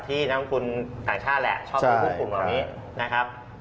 ที่น้องคุณต่างชาติแหละชอบไปพูดกลุ่มแบบนี้